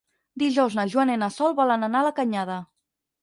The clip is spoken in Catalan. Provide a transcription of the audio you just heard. Dijous na Joana i na Sol volen anar a la Canyada.